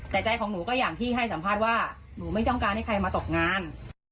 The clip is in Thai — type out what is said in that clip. แต่ใจของหนูก็อย่างที่ให้สัมภาษณ์ว่าหนูไม่ต้องการให้ใครมาตกงาน